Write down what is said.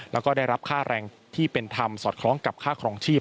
แล้วก็ได้รับค่าแรงที่เป็นธรรมสอดคล้องกับค่าครองชีพ